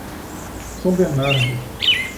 São Bernardo